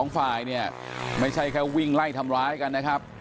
ฝ่ายเนี่ยไม่ใช่แค่วิ่งไล่ทำร้ายกันนะครับ